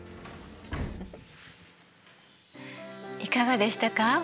いかがでしたか？